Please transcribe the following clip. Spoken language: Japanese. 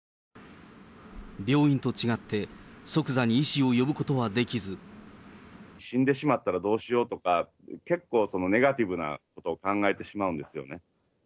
病院と違って、死んでしまったらどうしようとか、結構ネガティブなことを考えてしまうんですよね。